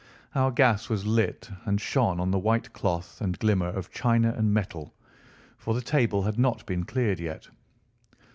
Our gas was lit and shone on the white cloth and glimmer of china and metal, for the table had not been cleared yet.